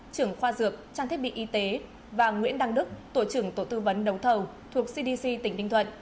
trưởng khoa dược trang thiết bị y tế và nguyễn đăng đức tổ trưởng tổ tư vấn đấu thầu thuộc cdc tỉnh ninh thuận